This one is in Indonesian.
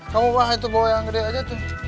kamu bawa yang gede aja